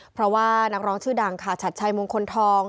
เพราะว่านักร้องชื่อดังค่ะชัดชัยมงคลทอง